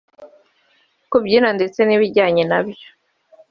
kubyina ndetse n’ibijyanye na byo